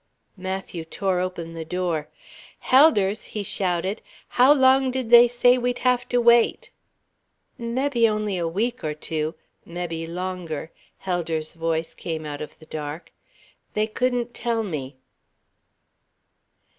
Matthew tore open the door. "Helders!" he shouted, "how long did they say we'd have to wait?" "Mebbe only a week or two mebbe longer," Helders' voice came out of the dark. "They couldn't tell me."